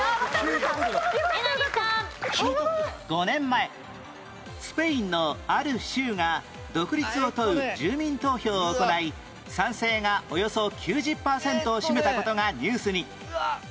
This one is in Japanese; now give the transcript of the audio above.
５年前スペインのある州が独立を問う住民投票を行い賛成がおよそ９０パーセントを占めた事がニュースに